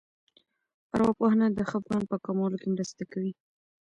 ارواپوهنه د خپګان په کمولو کې مرسته کوي.